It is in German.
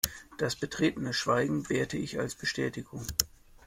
Das betretene Schweigen werte ich als Bestätigung.